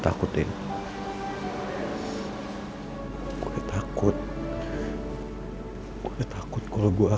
tapi tetep aja dia ngacangin gue